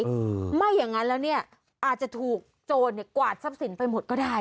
อืมไม่อย่างงั้นแล้วเนี้ยอาจจะถูกโจรเนี้ยกวาดทรัพย์สินไปหมดก็ได้